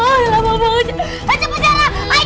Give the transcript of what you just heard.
aduh lama banget